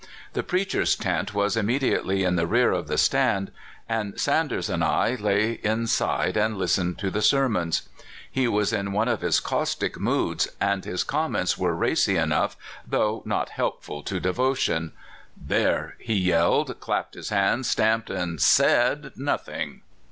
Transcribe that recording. The "preachers' tent" was immediately in the rear of "the stand," and Sanders and I lay inside and listened to the sermons. He was in one of his caustic moods, and his comments were racy enough, though not helpful to devotion. "There! he yelled, clapped his hands, stamped, and said nothing